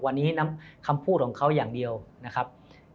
วันนี้น้ำคำพูดของเขาอย่างเดียวนะครับ